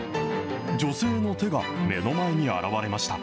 女性の手が目の前に現れました。